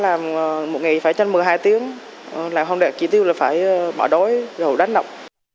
ép làm một ngày phải chăn một mươi hai tiếng làm không đẹp ký tiêu là phải bỏ đói rồi đánh đọc